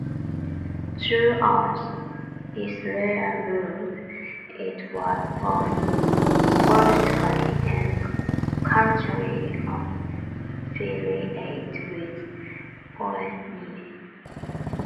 Throughout Israelite rule, it was politically and culturally affiliated with Phoenicia.